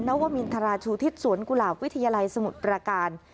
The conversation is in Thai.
วมินทราชูทิศสวนกุหลาบวิทยาลัยสมุทรประการ